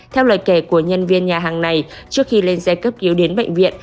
theo lời kể của nhân viên nhà hàng này trước khi lên xe cấp cứu đến bệnh viện